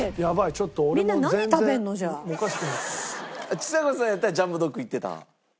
ちさ子さんやったらジャンボドックいってた？